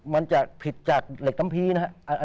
มันจะผิดจากเหล็กต้ำเพนะฮะ